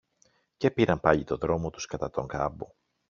Και πήραν πάλι το δρόμο τους κατά τον κάμπο